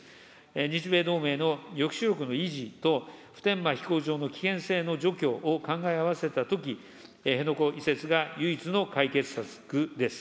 日米同盟の抑止力の維持と、普天間飛行場の危険性の除去を考え合わせたとき、辺野古移設が唯一の解決策です。